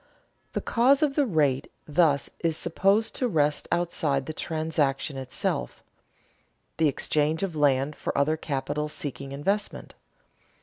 The cause of the rate thus is supposed to rest outside the transaction itself, the exchange of land for other capital seeking investment.